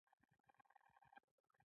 هغې ولیدل چې هغه نږدې دی وژاړي